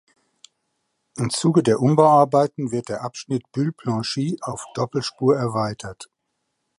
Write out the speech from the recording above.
Im Zuge der Umbauarbeiten wird der Abschnitt Bulle–Planchy auf Doppelspur erweitert.